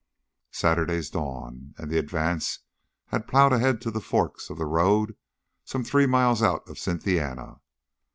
Saturday's dawn, and the advance had plowed ahead to the forks of the road some three miles out of Cynthiana.